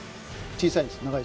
小さいですか？